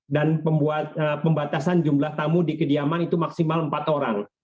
dan pembatasan jumlah tamu di kediaman itu maksimal empat orang